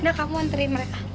nah kamu anterin mereka